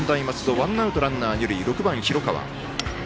ワンアウト、ランナー、二塁６番、広川。